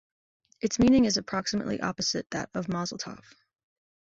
Its meaning is approximately opposite that of mazel tov.